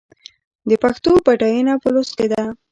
د پښتو بډاینه په لوست کې ده.